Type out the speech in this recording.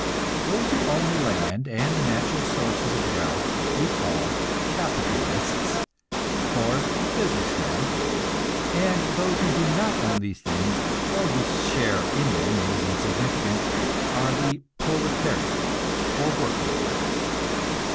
Those who own the land and the natural sources of wealth we call capitalists, or business men, and those who do not own these things, or whose share in them is insignificant, are the proletariat, or working class.